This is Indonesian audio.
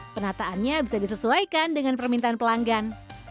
penataannya bisa disesuaikan dengan permintaan pelanggan